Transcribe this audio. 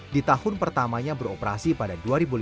di tahun pertamanya beroperasi pada dua ribu lima belas